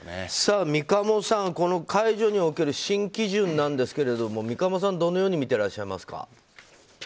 三鴨さん、この解除における新基準なんですけれども三鴨さんはどのように見ていらっしゃいますか？